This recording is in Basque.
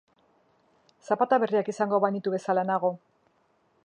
Zapata berriak izango banitu bezala nago.